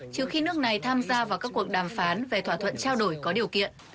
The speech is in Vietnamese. trừ khi nước này tham gia vào các cuộc đàm phán về thỏa thuận trao đổi có điều kiện